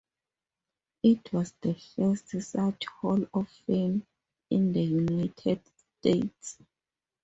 It was the first such hall of fame in the United States.